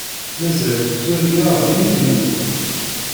Mazal tettwali-aɣ d imidiwen.